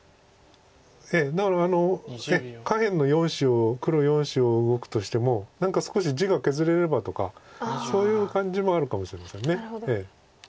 だから下辺の４子を黒４子を動くとしても何か少し地が削れればとかそういう感じもあるかしれません。